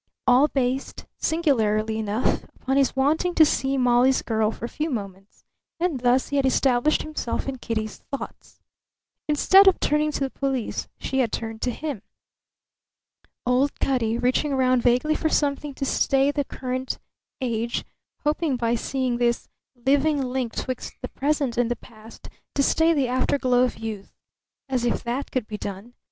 All based, singularly enough, upon his wanting to see Molly's girl for a few moments; and thus he had established himself in Kitty's thoughts. Instead of turning to the police she had turned to him. Old Cutty, reaching round vaguely for something to stay the current age; hoping by seeing this living link 'twixt the present and the past to stay the afterglow of youth. As if that could be done!